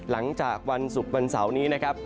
หลังจากวันศุกร์วันเสาร์นี้นะครับ